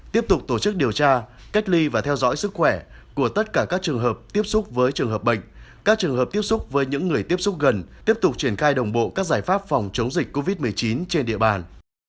tiếp tục tổ chức điều tra cách ly và theo dõi sức khỏe của tất cả các trường hợp tiếp xúc với trường hợp bệnh các trường hợp tiếp xúc với những người tiếp xúc gần tiếp tục triển khai đồng bộ các giải pháp phòng chống dịch covid một mươi chín trên địa bàn